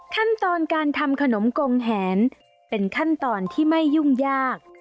ขั้นตอนการทำขนมกงแหนเป็นขั้นตอนที่ไม่ยุ่งยาก